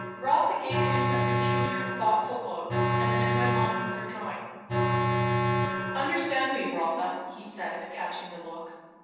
Rotha gave him a peculiar, thoughtful look, and then went on with her drawing. "Understand me, Rotha," he said, catching the look.